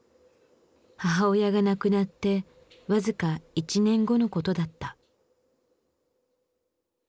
母親が亡くなって僅か１年後のことだった。